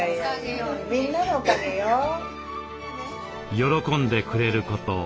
喜んでくれること